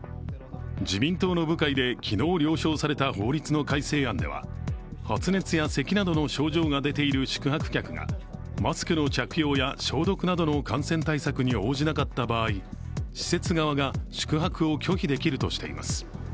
自民党の部会で昨日了承された法律の改正案では発熱やせきなどの症状が出ている宿泊客がマスクの着用や消毒などの感染対策に応じなかった場合施設側が宿泊を拒否できるとしています。